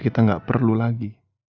kita tidak perlu lagi